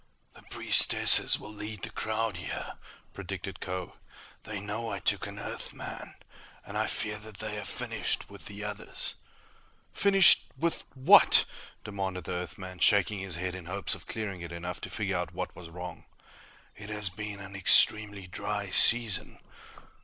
"The priestesses will lead the crowd here," predicted Kho. "They know I took an Earthman, and I fear they have finished with the others." "Finished with What?" demanded the Earthman, shaking his head in hopes of clearing it enough to figure out what was wrong. "It has been an extremely dry season."